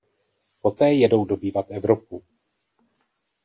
Poté jedou dobývat Evropu.